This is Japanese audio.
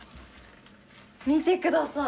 見てください。